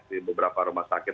di beberapa rumah sakit